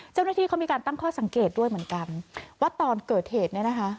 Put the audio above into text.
เจ้าหน้าที่เขามีการตั้งข้อสังเกตด้วยเหมือนกันว่าตอนเกิดเหตุเนี่ยนะคะ